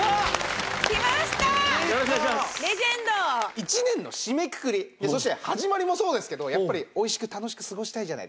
一年の締めくくりそして始まりもそうですけどやっぱり美味しく楽しく過ごしたいじゃないですか。